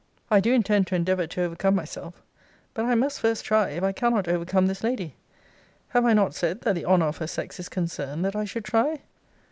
I do intend to endeavour to overcome myself; but I must first try, if I cannot overcome this lady. Have I not said, that the honour of her sex is concerned that I should try?